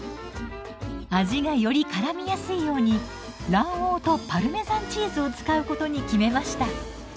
味がよりからみやすいように卵黄とパルメザンチーズを使うことに決めました。